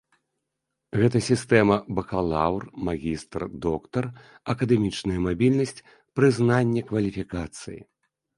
Гэта сістэма бакалаўр-магістр-доктар, акадэмічная мабільнасць, прызнанне кваліфікацыі.